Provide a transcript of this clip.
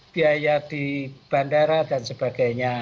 biaya di bandara dan sebagainya